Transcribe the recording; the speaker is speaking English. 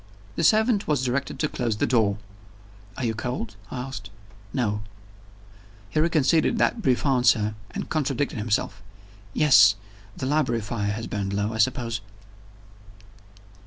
The servant was directed to close the door. "Are you cold?" I asked. "No." He reconsidered that brief answer, and contradicted himself. "Yes the library fire has burned low, I suppose."